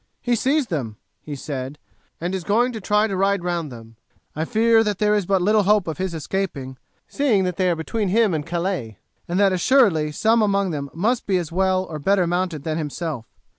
"He sees them," he said, "and is going to try to ride round them. I fear that there is but little hope of his escaping, seeing that they are between him and Calais, and that assuredly some among them must be as well or better mounted than himself."